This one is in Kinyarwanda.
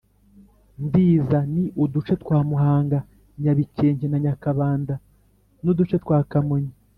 Ndiza Ni uduce twa Muhanga (Nyabikenke na Nyakabanda) n’uduce twa Kamonyi.